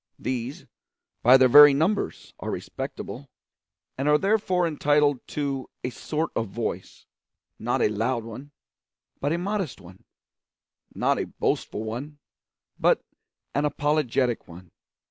These, by their very numbers, are respectable, and are therefore entitled to a sort of voice not a loud one, but a modest one; not a boastful one, but an apologetic one.